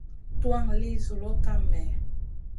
Tuwan li zuloʼ kam mèh ?